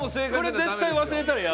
絶対忘れたらやばいよ。